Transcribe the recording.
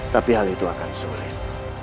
tapi hal itu akan sulit